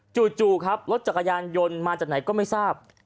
จู่ครับรถจักรยานยนต์มาจากไหนก็ไม่ทราบ